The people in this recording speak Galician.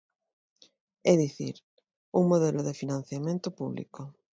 É dicir, un modelo de financiamento público.